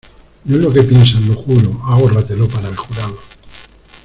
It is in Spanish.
¡ No es lo que piensas, lo juro! ¡ ahórratelo para el jurado !